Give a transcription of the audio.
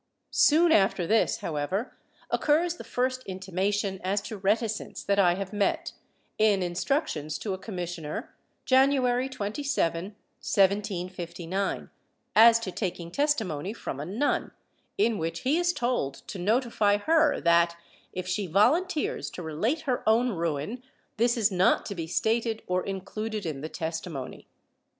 ^ Soon after this, however, occurs the first intimation as to reticence that I have met, in instructions to a commissioner, January 27, 1759, as to taking testimony from a nun, in which he is toid to notify her that, if she volunteers to relate her own ruin, this is not to be stated or included in the testimony.